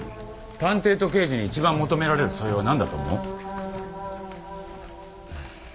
探偵と刑事に一番求められる素養は何だと思う？